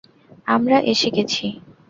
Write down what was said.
আমরা এসে গেছি?